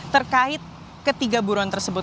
terkait ketiga buruan tersebut